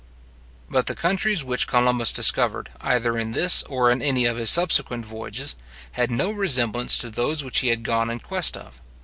But the countries which Columbus discovered, either in this or in any of his subsequent voyages, had no resemblance to those which he had gone in quest of.